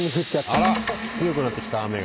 あらっ強くなってきた雨が。